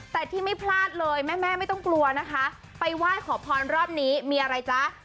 แต่ที่ไม่พลาดเลยแม่ไม่ต้องกลัวนะคะไปไหว้ขอพรรอบนี้มีอะไรจ๊ะ